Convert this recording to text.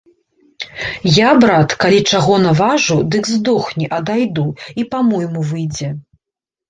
Я, брат, калі чаго наважу, дык здохні, а дайду, і па-мойму выйдзе.